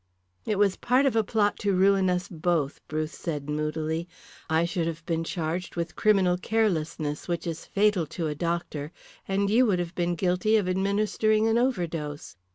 "It was part of a plot to ruin us both," Bruce said moodily. "I should have been charged with criminal carelessness, which is fatal to a doctor, and you would have been guilty of administering an overdose.